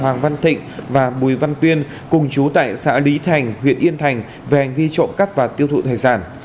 hoàng văn thịnh và bùi văn tuyên cùng chú tại xã lý thành huyện yên thành về hành vi trộm cắt và tiêu thụ tài sản